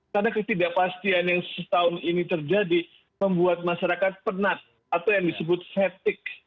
karena ketidakpastian yang setahun ini terjadi membuat masyarakat penat atau yang disebut fetik